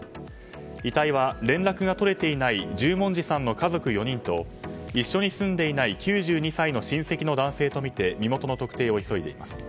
遺体は連絡が取れていない十文字さんの家族４人と一緒に住んでいない９２歳の親戚の男性とみて身元の特定を急いでいます。